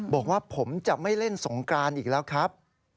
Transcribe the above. บอกว่าผมจะไม่เล่นสงกรานอีกแล้วครับ